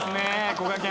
こがけん。